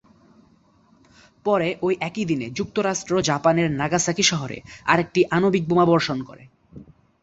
পরে ঐ একই দিনে, যুক্তরাষ্ট্র জাপানের নাগাসাকি শহরে আরেকটি আণবিক বোমা বর্ষণ করে।